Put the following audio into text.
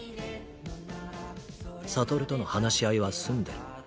悟との話し合いは済んでる。